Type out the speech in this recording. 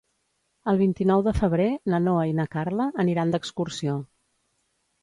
El vint-i-nou de febrer na Noa i na Carla aniran d'excursió.